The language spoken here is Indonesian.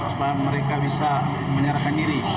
supaya mereka bisa menyerahkan diri